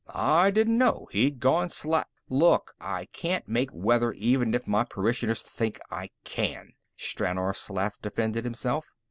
I didn't know he'd gone slack " "Look, I can't make weather, even if my parishioners think I can," Stranor Sleth defended himself.